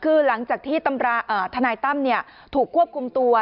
คือหลังจากที่ทนายตั้มถูกควบคุมตัว